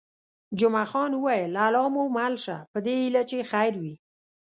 جمعه خان وویل: الله مو مل شه، په دې هیله چې خیر وي.